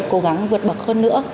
cố gắng vượt bậc hơn nữa